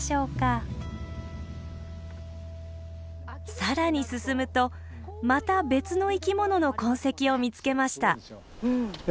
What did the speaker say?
更に進むとまた別の生き物の痕跡を見つけました。